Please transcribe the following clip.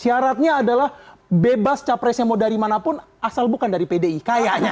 syaratnya adalah bebas capresnya mau dari mana pun asal bukan dari pdip kayaknya